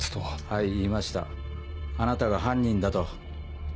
はい言いましたあなたが犯人だと。